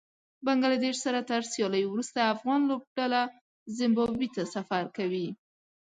بنګله دېش سره تر سياليو وروسته افغان لوبډله زېمبابوې ته سفر کوي